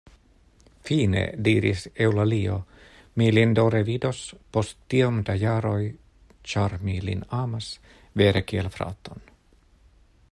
Fine, diris Eŭlalio, mi lin do revidos, post tiom da jaroj; ĉar mi lin amas vere kiel fraton.